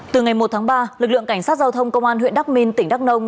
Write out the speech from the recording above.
từ ngày một tháng ba lực lượng cảnh sát giao thông công an huyện đắk minh tỉnh đắc nông